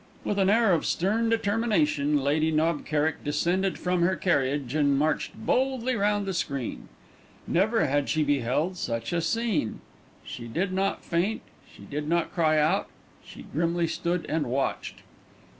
With an air of stern determination, Lady Knob Kerrick descended from her carriage and marched boldly round the screen. Never had she beheld such a scene. She did not faint, she did not cry out, she grimly stood and watched.